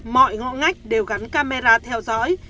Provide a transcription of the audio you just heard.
mọi ngõ ngách đều gắn camera theo dõi